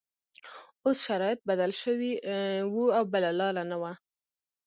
اوس شرایط بدل شوي وو او بله لاره نه وه